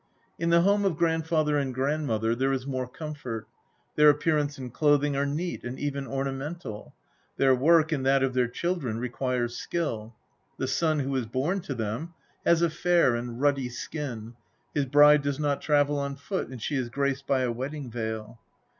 In the home of Grandfather and Grandmother there is more comfort; their appearance and clothing are neat, and even ornamental; their work and that of their children requires skill; the son who is born to them has a fair and ruddy skin, his bride does not travel on foot, and she is graced by a wedding veil.